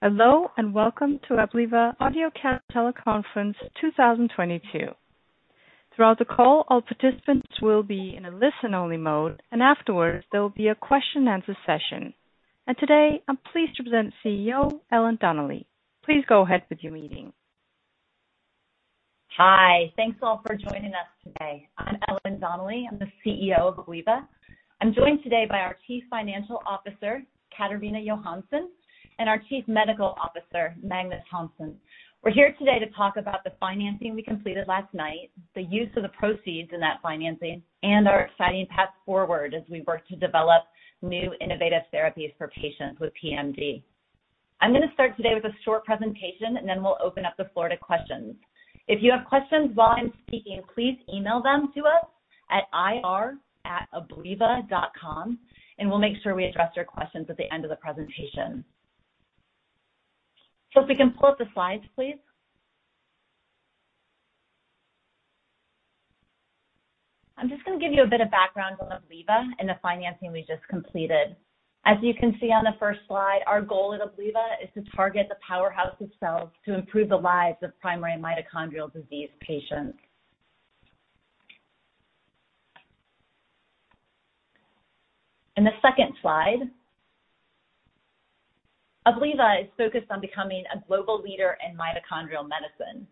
Hello, and welcome to Abliva Audiocast Teleconference 2022. Throughout the call, all participants will be in a listen-only mode, and afterwards, there will be a question and answer session. Today, I'm pleased to present CEO Ellen Donnelly. Please go ahead with your meeting. Hi. Thanks all for joining us today. I'm Ellen Donnelly. I'm the CEO of Abliva. I'm joined today by our Chief Financial Officer, Catharina Johansson, and our Chief Medical Officer, Magnus Hansson. We're here today to talk about the financing we completed last night, the use of the proceeds in that financing, and our exciting path forward as we work to develop new innovative therapies for patients with PMD. I'm gonna start today with a short presentation, and then we'll open up the floor to questions. If you have questions while I'm speaking, please email them to us at ir@abliva.com, and we'll make sure we address your questions at the end of the presentation. If we can pull the slides, please. I'm just gonna give you a bit of background on Abliva and the financing we just completed. As you can see on the first slide, our goal at Abliva is to target the powerhouse of cells to improve the lives of primary mitochondrial disease patients. The second slide. Abliva is focused on becoming a global leader in mitochondrial medicine.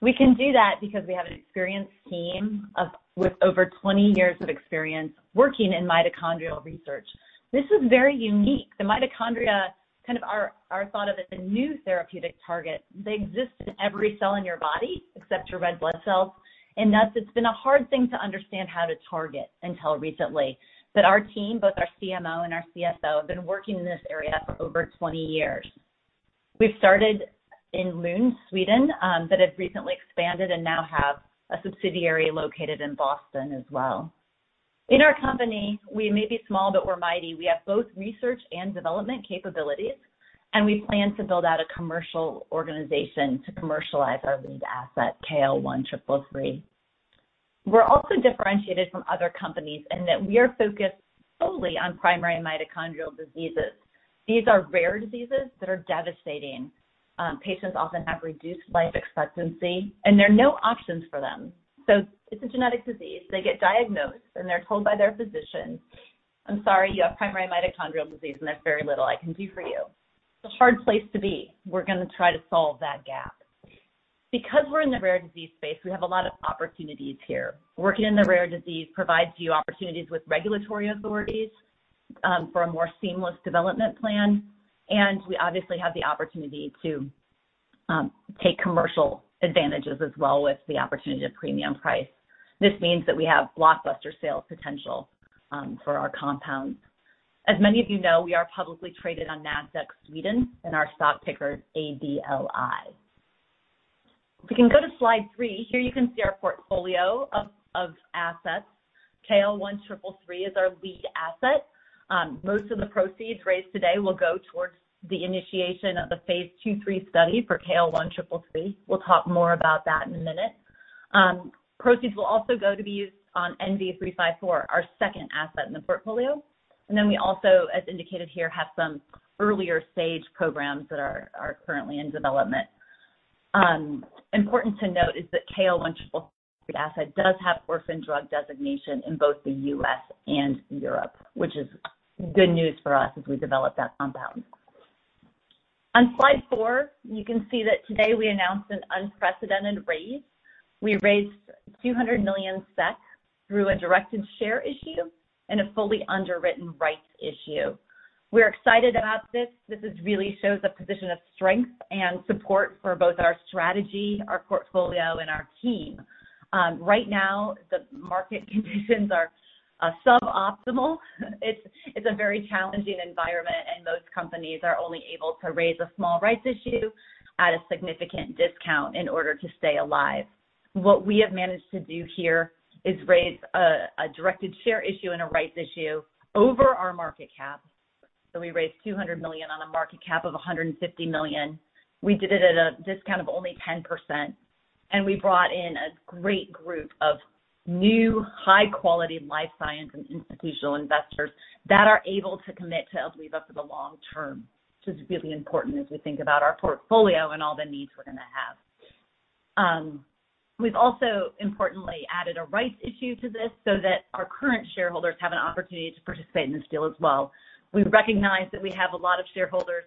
We can do that because we have an experienced team with over 20 years of experience working in mitochondrial research. This is very unique. The mitochondria kind of are thought of as a new therapeutic target. They exist in every cell in your body except your red blood cells, and thus it's been a hard thing to understand how to target until recently. Our team, both our CMO and our CSO, have been working in this area for over 20 years. We started in Lund, Sweden, but have recently expanded and now have a subsidiary located in Boston as well. In our company, we may be small, but we're mighty. We have both research and development capabilities, and we plan to build out a commercial organization to commercialize our lead asset, KL1333. We're also differentiated from other companies in that we are focused solely on primary mitochondrial diseases. These are rare diseases that are devastating. Patients often have reduced life expectancy, and there are no options for them. It's a genetic disease. They get diagnosed, and they're told by their physician, "I'm sorry, you have primary mitochondrial disease, and there's very little I can do for you." It's a hard place to be. We're gonna try to solve that gap. Because we're in the rare disease space, we have a lot of opportunities here. Working in the rare disease provides you opportunities with regulatory authorities, for a more seamless development plan, and we obviously have the opportunity to take commercial advantages as well with the opportunity of premium price. This means that we have blockbuster sales potential for our compounds. As many of you know, we are publicly traded on Nasdaq Sweden, and our stock ticker is ABLI. If we can go to slide three. Here you can see our portfolio of assets. KL1333 is our lead asset. Most of the proceeds raised today will go towards the initiation of the phase II/III study for KL1333. We'll talk more about that in a minute. Proceeds will also go to be used on NV354, our second asset in the portfolio. We also, as indicated here, have some earlier stage programs that are currently in development. Important to note is that KL1333 asset does have orphan drug designation in both the U.S. and Europe, which is good news for us as we develop that compound. On slide four, you can see that today we announced an unprecedented raise. We raised 200 million SEK through a directed share issue and a fully underwritten rights issue. We're excited about this. This really shows a position of strength and support for both our strategy, our portfolio and our team. Right now, the market conditions are suboptimal. It's a very challenging environment, and most companies are only able to raise a small rights issue at a significant discount in order to stay alive. What we have managed to do here is raise a directed share issue and a rights issue over our market cap. We raised 200 million on a market cap of 150 million. We did it at a discount of only 10%, and we brought in a great group of new high-quality life science and institutional investors that are able to commit to Abliva for the long term. This is really important as we think about our portfolio and all the needs we're gonna have. We've also importantly added a rights issue to this so that our current shareholders have an opportunity to participate in this deal as well. We recognize that we have a lot of shareholders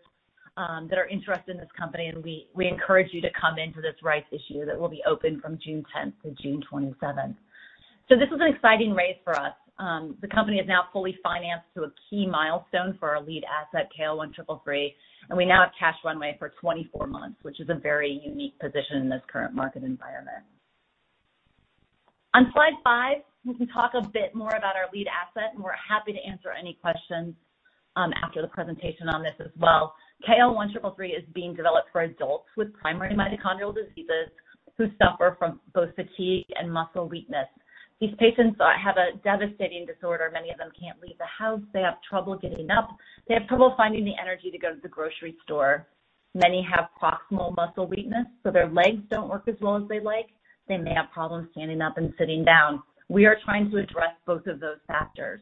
that are interested in this company, and we encourage you to come into this rights issue that will be open from June 10th through June 27th. This is an exciting raise for us. The company is now fully financed to a key milestone for our lead asset, KL1333, and we now have cash runway for 24 months, which is a very unique position in this current market environment. On slide five, we can talk a bit more about our lead asset, and we're happy to answer any questions after the presentation on this as well. KL1333 is being developed for adults with primary mitochondrial diseases who suffer from both fatigue and muscle weakness. These patients have a devastating disorder. Many of them can't leave the house. They have trouble getting up. They have trouble finding the energy to go to the grocery store. Many have proximal muscle weakness, so their legs don't work as well as they'd like. They may have problems standing up and sitting down. We are trying to address both of those factors.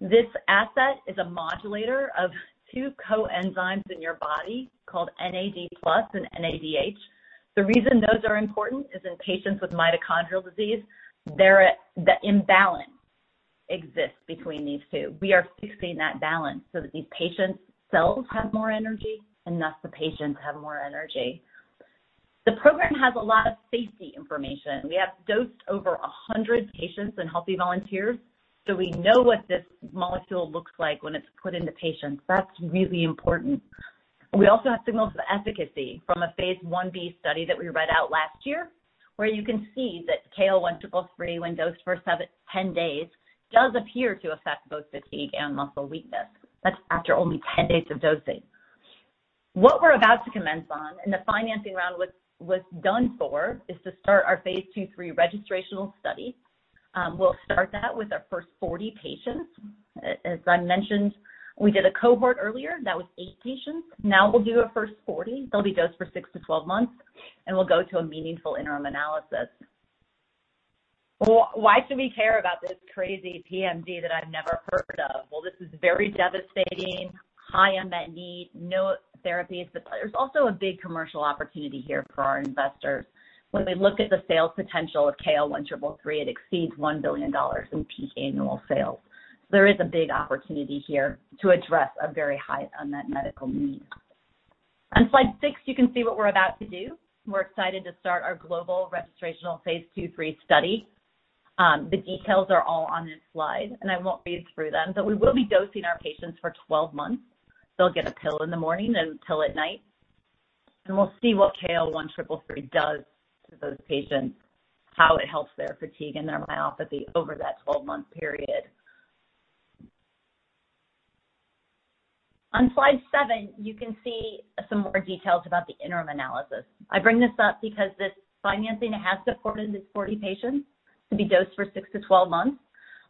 This asset is a modulator of two coenzymes in your body called NAD+ and NADH. The reason those are important is in patients with mitochondrial disease, the imbalance exists between these two. We are fixing that balance so that these patients' cells have more energy, and thus the patients have more energy. The program has a lot of safety information. We have dosed over 100 patients and healthy volunteers, so we know what this molecule looks like when it's put into patients. That's really important. We also have signals of efficacy from a Phase I-B study that we read out last year, where you can see that KL1333, when dosed for 10 days, does appear to affect both fatigue and muscle weakness. That's after only 10 days of dosing. What we're about to commence on, and the financing round was done for, is to start our Phase II/III registrational study. We'll start that with our first 40 patients. As I mentioned, we did a cohort earlier, that was eight patients. Now we'll do our first 40. They'll be dosed for six to 12 months, and we'll go to a meaningful interim analysis. Well, why should we care about this crazy PMD that I've never heard of? Well, this is very devastating, high unmet need, no therapies, but there's also a big commercial opportunity here for our investors. When we look at the sales potential of KL1333, it exceeds $1 billion in peak annual sales. There is a big opportunity here to address a very high unmet medical need. On slide six, you can see what we're about to do. We're excited to start our global registrational Phase II/III study. The details are all on this slide, and I won't read through them, but we will be dosing our patients for 12 months. They'll get a pill in the morning and a pill at night, and we'll see what KL1333 does to those patients, how it helps their fatigue and their myopathy over that 12-month period. On slide seven, you can see some more details about the interim analysis. I bring this up because this financing has supported these 40 patients to be dosed for six to 12 months,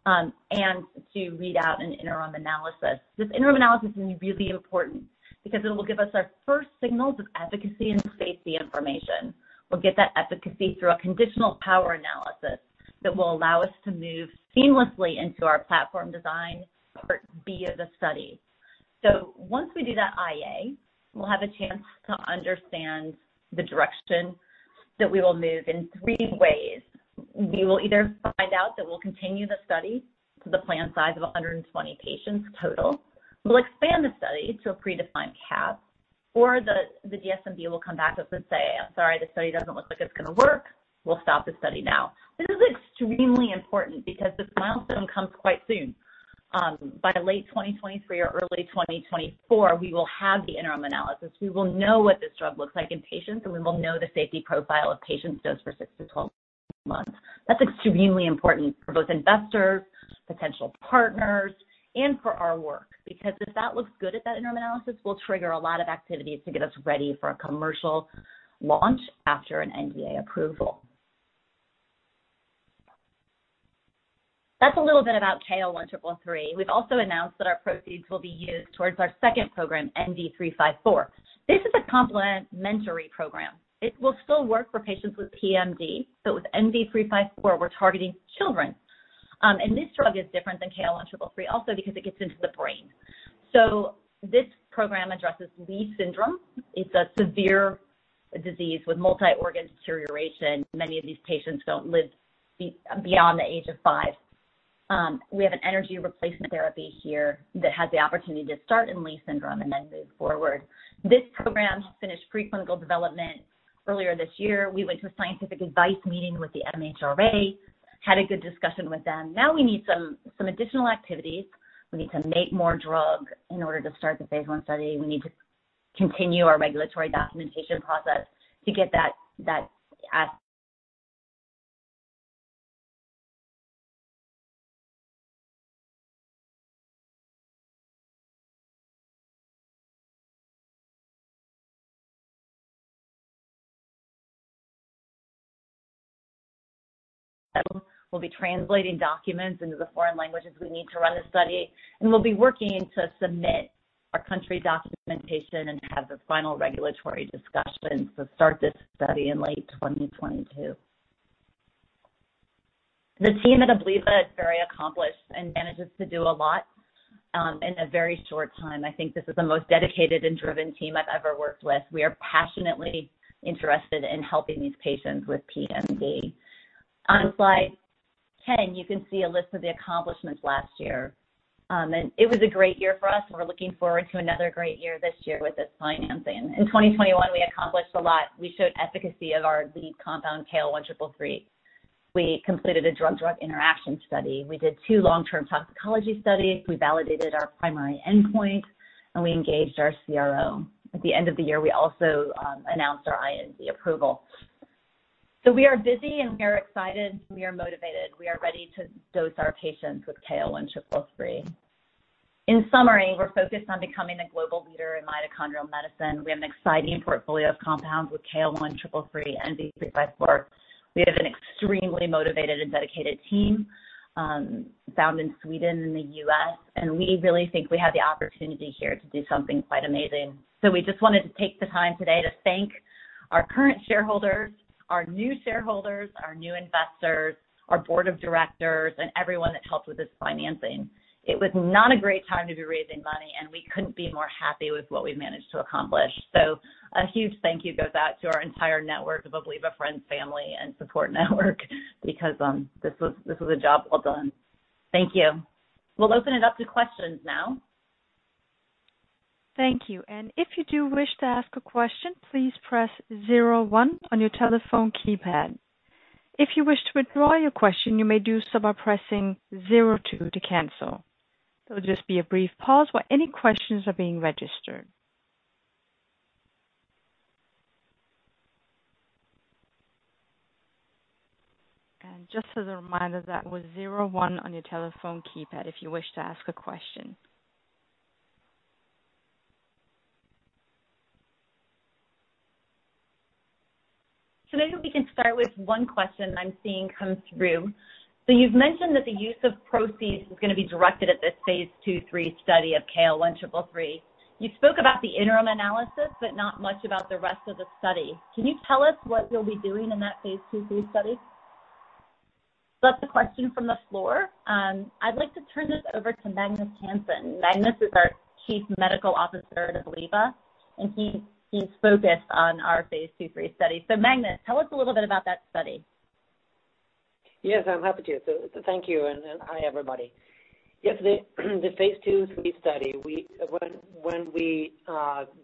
and to read out an interim analysis. This interim analysis is really important because it'll give us our first signals of efficacy and safety information. We'll get that efficacy through a conditional power analysis that will allow us to move seamlessly into our platform design, Part B of the study. Once we do that IA, we'll have a chance to understand the direction that we will move in three ways. We will either find out that we'll continue the study to the planned size of 120 patients total. We'll expand the study to a predefined cap, or the DSMB will come back and say, "I'm sorry, the study doesn't look like it's gonna work. We'll stop the study now." This is extremely important because this milestone comes quite soon. By late 2023 or early 2024, we will have the interim analysis. We will know what this drug looks like in patients, and we will know the safety profile of patients dosed for six to 12 months. That's extremely important for both investors, potential partners, and for our work because if that looks good at that interim analysis, we'll trigger a lot of activities to get us ready for a commercial launch after an NDA approval. That's a little bit about KL1333. We've also announced that our proceeds will be used towards our second program, NV354. This is a complementary program. It will still work for patients with PMD, but with NV354, we're targeting children. This drug is different than KL1333 also because it gets into the brain. This program addresses Leigh syndrome. It's a severe disease with multi-organ deterioration. Many of these patients don't live beyond the age of five. We have an energy replacement therapy here that has the opportunity to start in Leigh syndrome and then move forward. This program finished preclinical development earlier this year. We went to a scientific advice meeting with the MHRA, had a good discussion with them. Now we need some additional activities. We need to make more drug in order to start the Phase I study. We need to continue our regulatory documentation process. [inaudible] We'll be translating documents into the foreign languages we need to run the study, and we'll be working to submit our country documentation and have the final regulatory discussions to start this study in late 2022. The team at Abliva is very accomplished and manages to do a lot in a very short time. I think this is the most dedicated and driven team I've ever worked with. We are passionately interested in helping these patients with PMD. On slide 10, you can see a list of the accomplishments last year. It was a great year for us, and we're looking forward to another great year this year with this financing. In 2021, we accomplished a lot. We showed efficacy of our lead compound, KL1333. We completed a drug-drug interaction study. We did two long-term toxicology studies. We validated our primary endpoint, and we engaged our CRO. At the end of the year, we also announced our IND approval. We are busy, and we are excited. We are motivated. We are ready to dose our patients with KL1333. In summary, we're focused on becoming the global leader in mitochondrial medicine. We have an exciting portfolio of compounds with KL1333 and NV354. We have an extremely motivated and dedicated team, found in Sweden and the U.S. We really think we have the opportunity here to do something quite amazing. We just wanted to take the time today to thank our current shareholders, our new shareholders, our new investors, our board of directors, and everyone that helped with this financing. It was not a great time to be raising money, and we couldn't be more happy with what we managed to accomplish. A huge thank you goes out to our entire network of Abliva friends, family, and support network because this was a job well done. Thank you. We'll open it up to questions now. Thank you. If you do wish to ask a question, please press zero one on your telephone keypad. If you wish to withdraw your question, you may do so by pressing zero two to cancel. There'll just be a brief pause while any questions are being registered. Just as a reminder, that was zero one on your telephone keypad if you wish to ask a question. Maybe we can start with one question that I'm seeing come through. You've mentioned that the use of proceeds is gonna be directed at this phase II/III study of KL1333. You spoke about the interim analysis, but not much about the rest of the study. Can you tell us what you'll be doing in that phase II/III study? That's a question from the floor. I'd like to turn this over to Magnus Hansson. Magnus is our Chief Medical Officer at Abliva, and he's focused on our phase II/III study. Magnus, tell us a little bit about that study. Yes, I'm happy to. Thank you, and hi, everybody. The phase II/III study, when we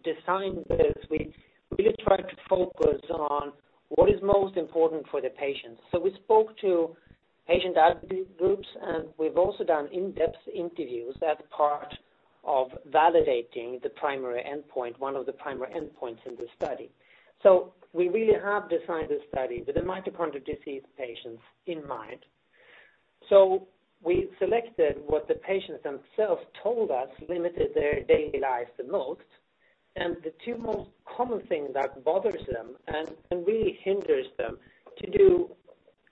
designed this, we really tried to focus on what is most important for the patients. We spoke to patient advocate groups, and we've also done in-depth interviews as part of validating the primary endpoint, one of the primary endpoints in this study. We really have designed this study with the mitochondrial disease patients in mind. We selected what the patients themselves told us limited their daily lives the most. The two most common things that bothers them and really hinders them to do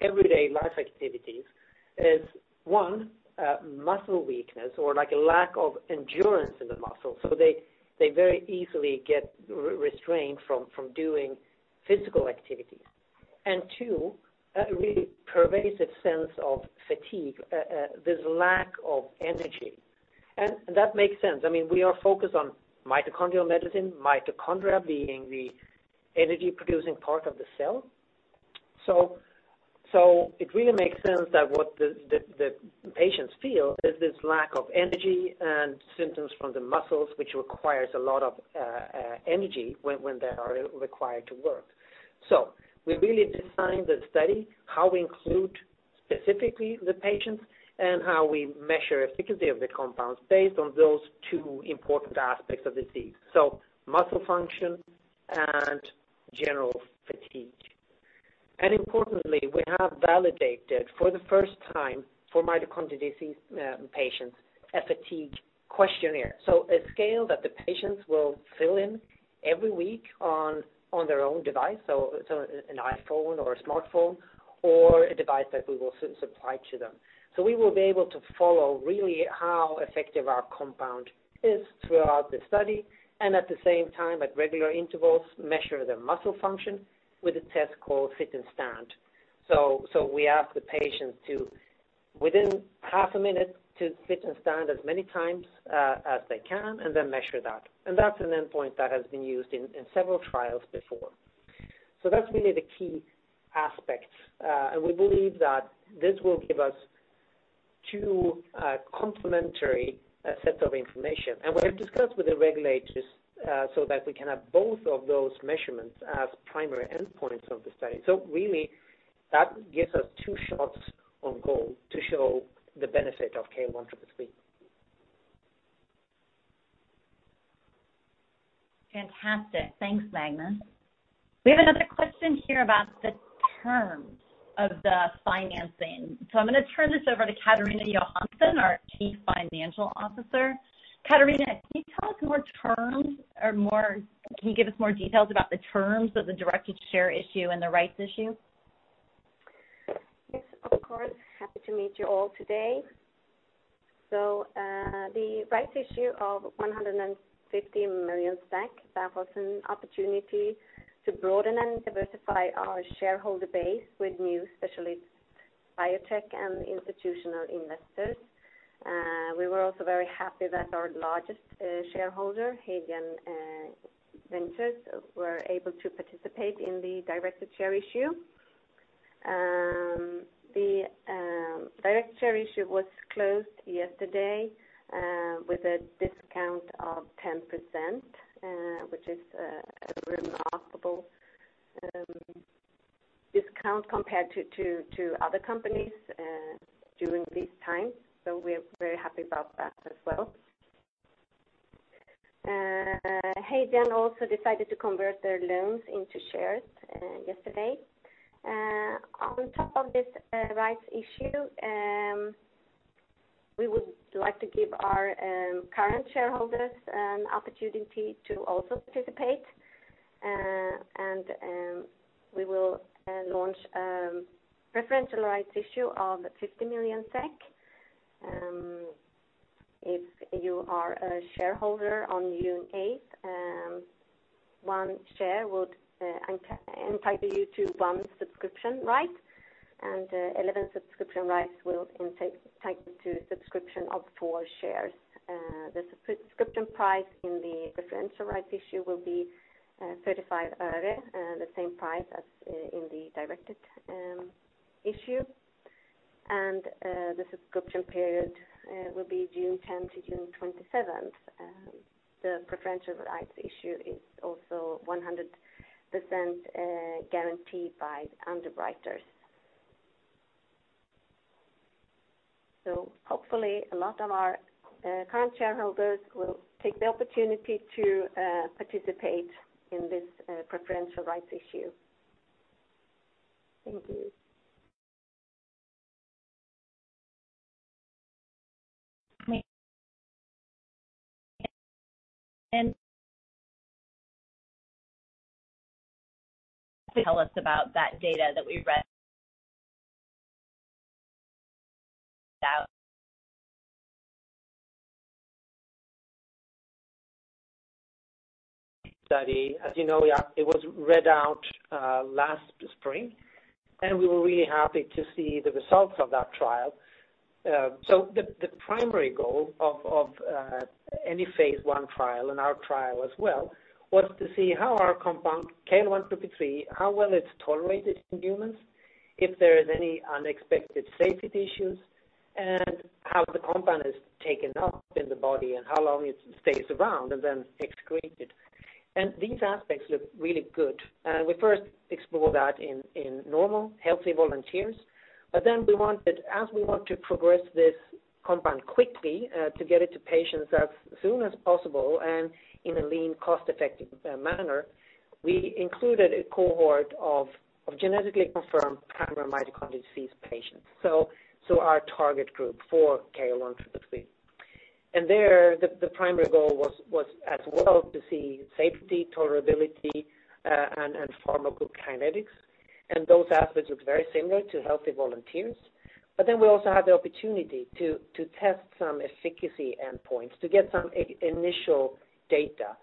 everyday life activities is, one, muscle weakness or like a lack of endurance in the muscles. They very easily get restrained from doing physical activity. Two, a really pervasive sense of fatigue, this lack of energy. That makes sense. I mean, we are focused on mitochondrial medicine, mitochondria being the energy-producing part of the cell. It really makes sense that what the patients feel is this lack of energy and symptoms from the muscles, which requires a lot of energy when they are required to work. We really designed the study, how we include specifically the patients and how we measure efficacy of the compounds based on those two important aspects of disease, so muscle function and general fatigue. Importantly, we have validated for the first time for mitochondrial disease patients a fatigue questionnaire. A scale that the patients will fill in every week on their own device, so an iPhone or a smartphone or a device that we will supply to them. We will be able to follow really how effective our compound is throughout the study and at the same time, at regular intervals, measure their muscle function with a test called sit-to-stand. We ask the patients to, within half a minute, to sit-to-stand as many times as they can and then measure that. That's an endpoint that has been used in several trials before. That's really the key aspect. We believe that this will give us two complementary sets of information. We have discussed with the regulators, so that we can have both of those measurements as primary endpoints of the study. Really that gives us two shots on goal to show the benefit of KL1333. Fantastic. Thanks, Magnus. We have another question here about the terms of the financing. I'm gonna turn this over to Catharina Johansson, our Chief Financial Officer. Catharina, can you give us more details about the terms of the directed share issue and the rights issue? Yes, of course. Happy to meet you all today. The rights issue of 150 million SEK, that was an opportunity to broaden and diversify our shareholder base with new specialist biotech and institutional investors. We were also very happy that our largest shareholder, Hadean Ventures, were able to participate in the directed share issue. The directed share issue was closed yesterday, with a discount of 10%, which is a remarkable discount compared to other companies during these times. We're very happy about that as well. Hadean also decided to convert their loans into shares yesterday. On top of this rights issue, we would like to give our current shareholders an opportunity to also participate. We will launch preferential rights issue of 50 million SEK. If you are a shareholder on June 8, one share would entitle you to one subscription right, and 11 subscription rights will entitle to subscription of four shares. The subscription price in the preferential rights issue will be SEK 0.35, the same price as in the directed issue. The subscription period will be June 10 to June 27. The preferential rights issue is also 100% guaranteed by underwriters. Hopefully, a lot of our current shareholders will take the opportunity to participate in this preferential rights issue. Thank you. Hi. Tell us about that data that we read out? As you know, it was read out last spring, and we were really happy to see the results of that trial. The primary goal of any phase I trial and our trial as well was to see how our compound KL1333, how well it's tolerated in humans, if there is any unexpected safety issues, and how the compound is taken up in the body, and how long it stays around and then excreted. These aspects look really good. We first explore that in normal, healthy volunteers. We wanted, as we want to progress this compound quickly, to get it to patients as soon as possible and in a lean, cost-effective manner, we included a cohort of genetically confirmed primary mitochondrial disease patients. Our target group for KL1333. There, the primary goal was as well to see safety, tolerability, and pharmacokinetics. Those aspects look very similar to healthy volunteers. We also had the opportunity to test some efficacy endpoints to get some initial data.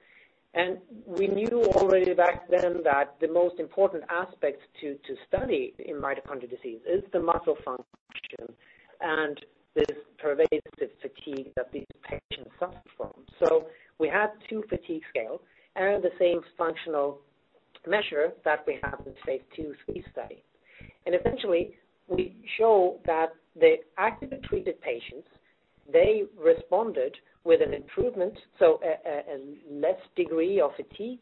We knew already back then that the most important aspects to study in mitochondrial disease is the muscle function and this pervasive fatigue that these patients suffer from. We had two fatigue scale and the same functional measure that we have in the phase II/III study. Essentially, we show that the actively treated patients, they responded with an improvement, so a less degree of fatigue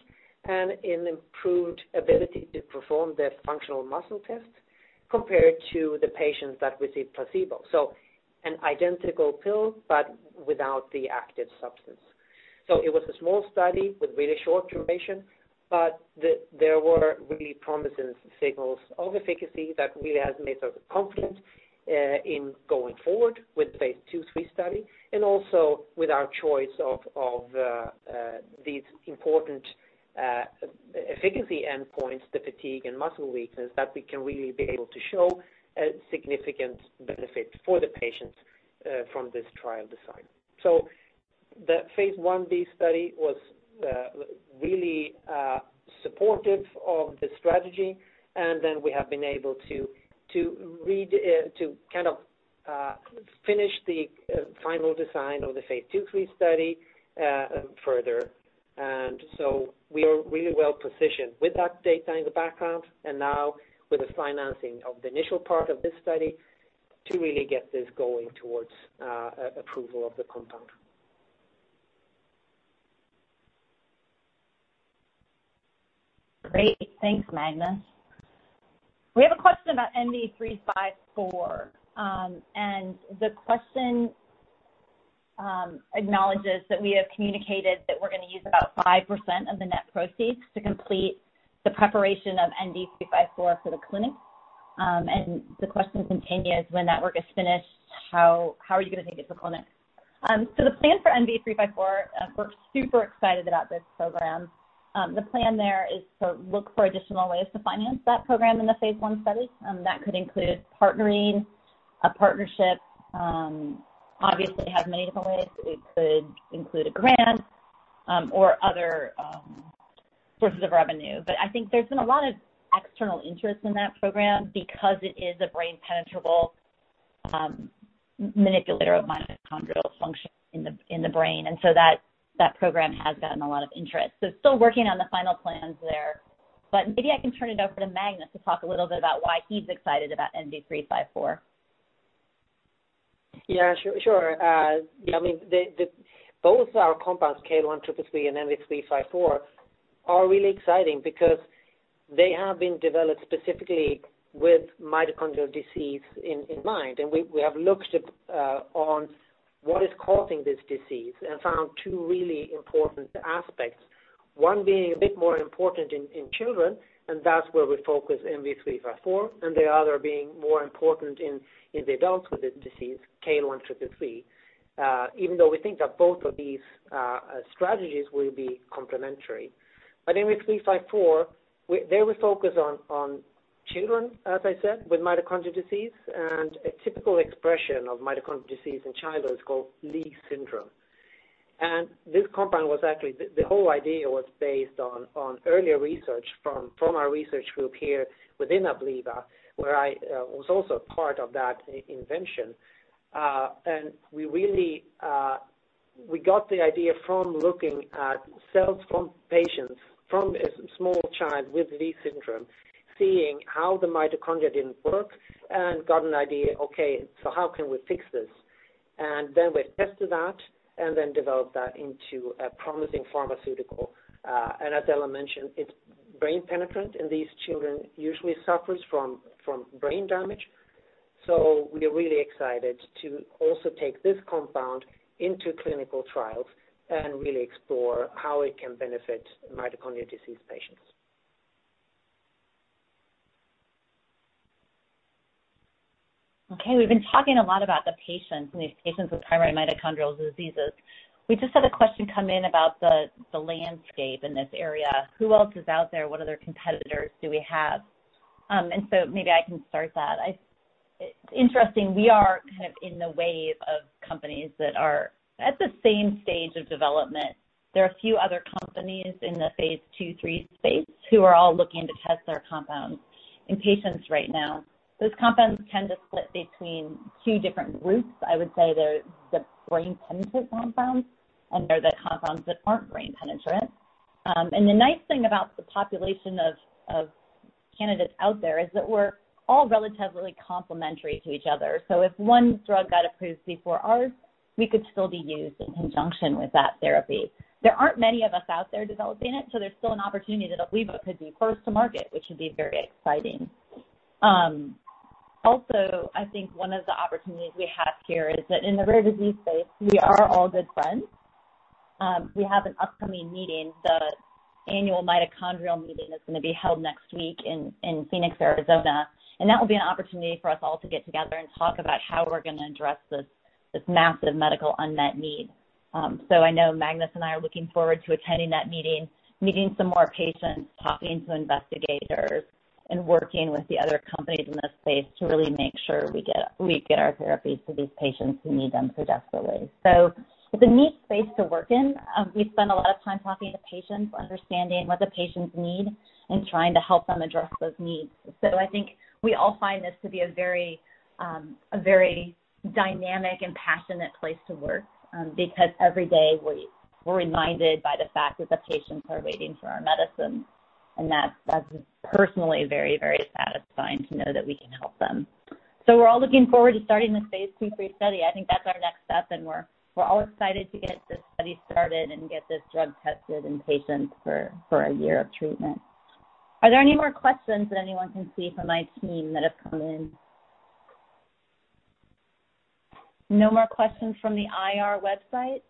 and an improved ability to perform their functional muscle test compared to the patients that received placebo. An identical pill, but without the active substance. It was a small study with really short duration, but there were really promising signals of efficacy that really has made us confident in going forward with phase II/III study and also with our choice of these important efficacy endpoints, the fatigue and muscle weakness, that we can really be able to show a significant benefit for the patients from this trial design. The phase 1b study was really supportive of the strategy. We have been able to kind of finish the final design of the phase II/III study further. We are really well-positioned with that data in the background and now with the financing of the initial part of this study to really get this going towards approval of the compound. Great. Thanks, Magnus. We have a question about NV354. The question acknowledges that we have communicated that we're gonna use about 5% of the net proceeds to complete the preparation of NV354 for the clinic. The question continues, when that work is finished, how are you gonna take it to the clinic? The plan for NV354, we're super excited about this program. The plan there is to look for additional ways to finance that program in the phase one study. That could include partnering. A partnership obviously has many different ways. It could include a grant, or other sources of revenue. I think there's been a lot of external interest in that program because it is a brain penetrable manipulator of mitochondrial function in the brain. That program has gotten a lot of interest. Still working on the final plans there. Maybe I can turn it over to Magnus to talk a little bit about why he's excited about NV354. Sure. Yeah, I mean, both our compounds, KL1333 and NV354, are really exciting because they have been developed specifically with mitochondrial disease in mind. We have looked at what is causing this disease and found two really important aspects. One being a bit more important in children, and that's where we focus NV354, and the other being more important in the adults with this disease, KL1333. Even though we think that both of these strategies will be complementary. NV354, we focus on children, as I said, with mitochondrial disease, and a typical expression of mitochondrial disease in childhood is called Leigh syndrome. This compound was actually... The whole idea was based on earlier research from our research group here within Abliva, where I was also part of that invention. We really got the idea from looking at cells from patients, from a small child with Leigh syndrome, seeing how the mitochondria didn't work and got an idea, okay, so how can we fix this? We tested that and then developed that into a promising pharmaceutical. As Ellen mentioned, it's brain penetrant, and these children usually suffers from brain damage. We are really excited to also take this compound into clinical trials and really explore how it can benefit mitochondrial disease patients. Okay, we've been talking a lot about the patients and these patients with primary mitochondrial diseases. We just had a question come in about the landscape in this area. Who else is out there? What other competitors do we have? Maybe I can start that. It's interesting, we are kind of in the wave of companies that are at the same stage of development. There are a few other companies in the phase II/III space who are all looking to test their compounds in patients right now. Those compounds tend to split between two different groups. I would say they're the brain penetrant compounds and there are the compounds that aren't brain penetrant. The nice thing about the population of candidates out there is that we're all relatively complementary to each other. If one drug got approved before ours, we could still be used in conjunction with that therapy. There aren't many of us out there developing it, so there's still an opportunity that Abliva could be first to market, which would be very exciting. Also I think one of the opportunities we have here is that in the rare disease space, we are all good friends. We have an upcoming meeting, the annual mitochondrial meeting that's gonna be held next week in Phoenix, Arizona. That will be an opportunity for us all to get together and talk about how we're gonna address this massive medical unmet need. I know Magnus and I are looking forward to attending that meeting some more patients, talking to investigators, and working with the other companies in this space to really make sure we get our therapies to these patients who need them so desperately. It's a neat space to work in. We've spent a lot of time talking to patients, understanding what the patients need, and trying to help them address those needs. I think we all find this to be a very dynamic and passionate place to work, because every day we're reminded by the fact that the patients are waiting for our medicine, and that's personally very, very satisfying to know that we can help them. We're all looking forward to starting this phase II/III study. I think that's our next step, and we're all excited to get this study started and get this drug tested in patients for a year of treatment. Are there any more questions that anyone can see from my team that have come in? No more questions from the IR website.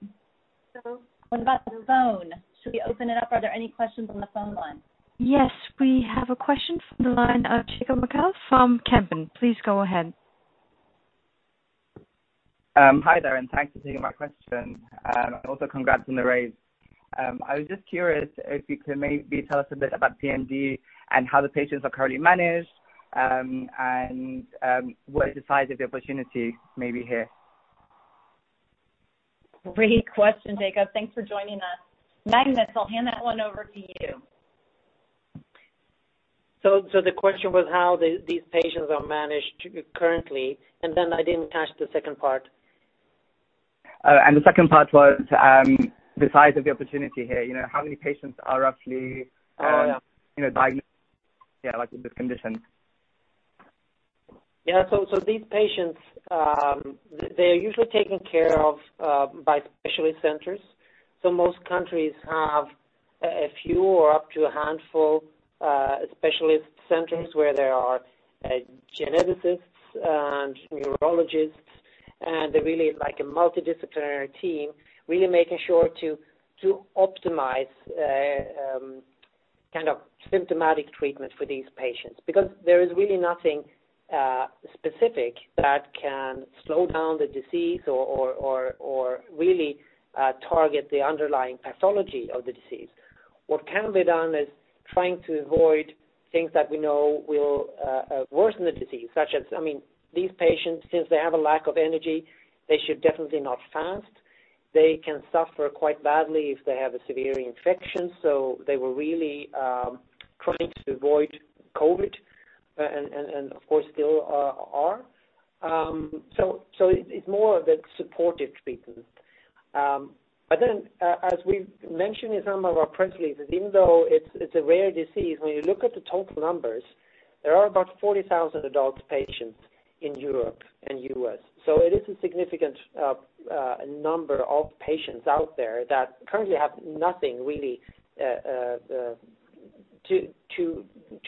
What about the phone? Should we open it up? Are there any questions on the phone line? Yes. We have a question from the line of Jacob McCall from Kempen. Please go ahead. Hi there, and thanks for taking my question. Also congrats on the raise. I was just curious if you could maybe tell us a bit about PMD and how the patients are currently managed, and what is the size of the opportunity maybe here? Great question, Jacob. Thanks for joining us. Magnus, I'll hand that one over to you. The question was how these patients are managed currently, and then I didn't catch the second part. The second part was the size of the opportunity here. You know, how many patients are roughly. Oh, yeah. Yeah, like with this condition. Yeah. These patients are usually taken care of by specialist centers. Most countries have a few or up to a handful of specialist centers where there are geneticists and neurologists, and they're really like a multidisciplinary team, really making sure to optimize a kind of symptomatic treatment for these patients. Because there is really nothing specific that can slow down the disease or really target the underlying pathology of the disease. What can be done is trying to avoid things that we know will worsen the disease, such as I mean, these patients, since they have a lack of energy, they should definitely not fast. They can suffer quite badly if they have a severe infection, so they were really trying to avoid COVID, and of course still are. It's more of a supportive treatment. As we've mentioned in some of our press releases, even though it's a rare disease, when you look at the total numbers. There are about 40,000 adult patients in Europe and U.S. It is a significant number of patients out there that currently have nothing really to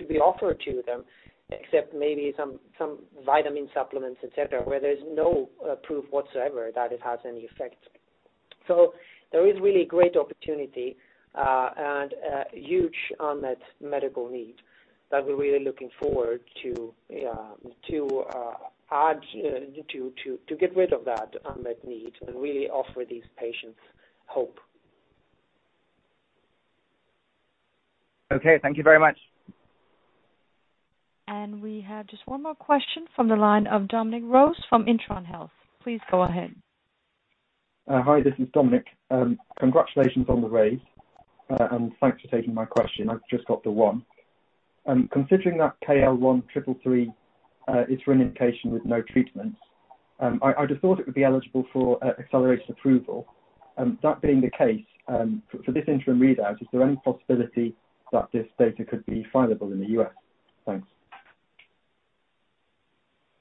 be offered to them except maybe some vitamin supplements, et cetera, where there's no proof whatsoever that it has any effect. There is really great opportunity and a huge unmet medical need that we're really looking forward to get rid of that unmet need and really offer these patients hope. Okay, thank you very much. We have just one more question from the line of Dominic Rose from Intron Health. Please go ahead. Hi, this is Dominic. Congratulations on the raise, and thanks for taking my question. I've just got the one. Considering that KL1333 is for an indication with no treatment, I just thought it would be eligible for accelerated approval. That being the case, for this interim readout, is there any possibility that this data could be fileable in the U.S.? Thanks.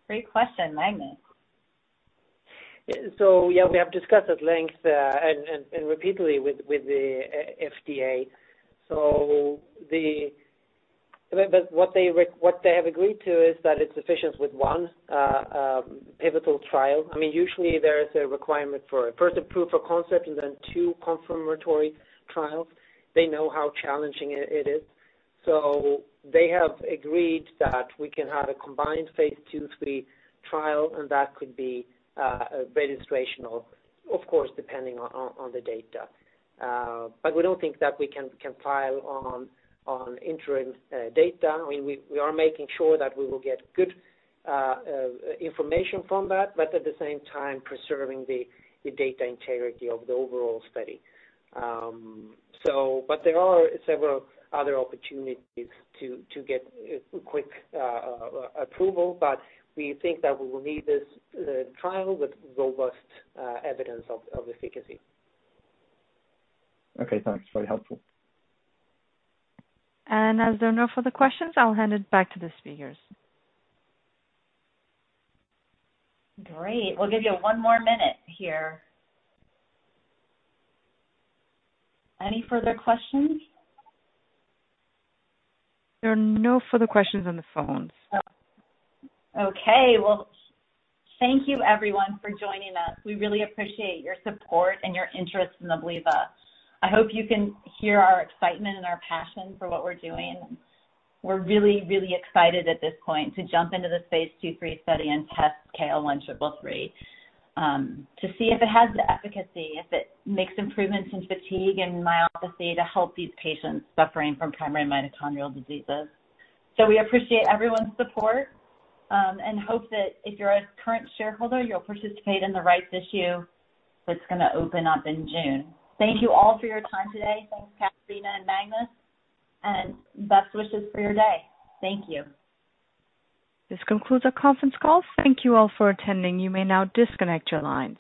Great question, Magnus. Yeah, we have discussed at length and repeatedly with the FDA. What they have agreed to is that it's sufficient with one pivotal trial. I mean, usually there is a requirement for first a proof of concept and then two confirmatory trials. They know how challenging it is. They have agreed that we can have a combined phase Ii/III trial, and that could be a registrational, of course, depending on the data. We don't think that we can file on interim data. I mean, we are making sure that we will get good information from that, but at the same time preserving the data integrity of the overall study. There are several other opportunities to get a quick approval, but we think that we will need this trial with robust evidence of efficacy. Okay, thanks. Very helpful. As there are no further questions, I'll hand it back to the speakers. Great. We'll give you one more minute here. Any further questions? There are no further questions on the phone. Okay. Well, thank you everyone for joining us. We really appreciate your support and your interest in Abliva. I hope you can hear our excitement and our passion for what we're doing. We're really, really excited at this point to jump into the Phase II/III study and test KL1333 to see if it has the efficacy, if it makes improvements in fatigue and myopathy to help these patients suffering from primary mitochondrial diseases. We appreciate everyone's support and hope that if you're a current shareholder, you'll participate in the rights issue that's gonna open up in June. Thank you all for your time today. Thanks, Catharina and Magnus, and best wishes for your day. Thank you. This concludes our conference call. Thank you all for attending. You may now disconnect your lines.